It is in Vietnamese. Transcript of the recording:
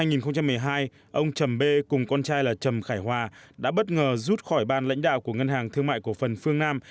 năm hai nghìn một mươi hai ông trầm bê cùng con trai là trầm khải hòa đã bất ngờ rút khỏi ban lãnh đạo của ngân hàng thương mại cổ phần phương nam